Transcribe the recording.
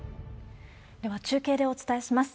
では中継でお伝えします。